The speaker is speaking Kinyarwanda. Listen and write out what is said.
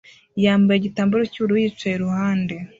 yambaye igitambaro cy'ubururu yicaye iruhande